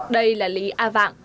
đây là lý a vạng